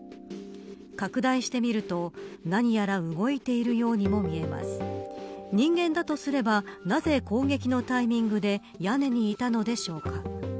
拡大してみると何やら動いているようにも見えます人間だとすればなぜ攻撃のタイミングで屋根にいたのでしょうか。